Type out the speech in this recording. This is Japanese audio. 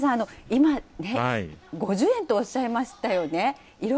大山さん、今、５０円とおっしゃいましたよね。